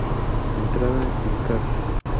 Entrada en Encarta